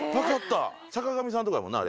坂上さんとこやもんなあれ。